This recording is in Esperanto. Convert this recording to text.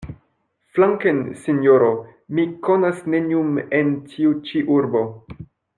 Flanken, sinjoro! Mi konas neniun en tiu ĉi urbo.